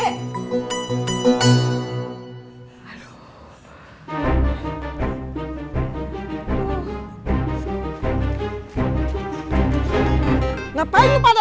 kenapa ini pada